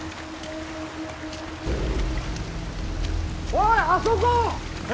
おいあそこ！